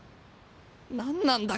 何なんだ？